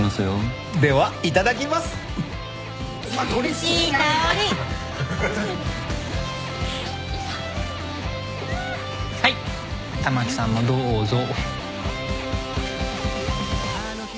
はいたまきさんもどうぞ。